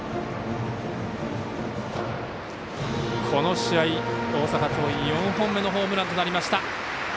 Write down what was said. この試合、大阪桐蔭４本目のホームランとなりました。